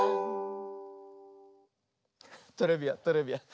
トレビアントレビアン。